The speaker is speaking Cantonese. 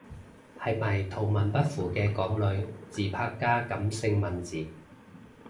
係咪圖文不符嘅港女自拍加感性文字？